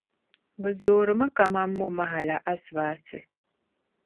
Bɛ zoorimi kaman momaha la asibaasi.